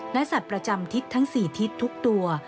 และสัตว์ประจำทิศทั้ง๔ทิศทุกตัว